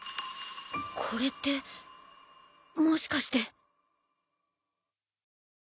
これってもしかして。